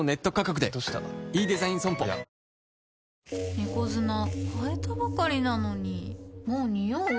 猫砂替えたばかりなのにもうニオう？